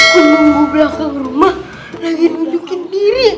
menunggu belakang rumah lagi nunjukin diri